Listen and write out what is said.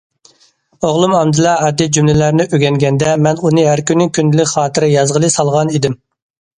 ئوغلۇم ئەمدىلا ئاددىي جۈملىلەرنى ئۆگەنگەندە، مەن ئۇنى ھەر كۈنى كۈندىلىك خاتىرە يازغىلى سالغان ئىدىم.